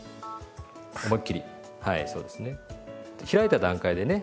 開いた段階でね